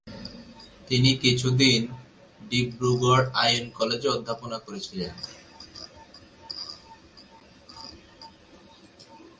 তিনি কিছুদিন ডিব্রুগড় আইন কলেজে অধ্যাপনা করেছিলেন।